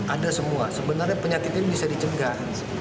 ada semua sebenarnya penyakit ini bisa dicegah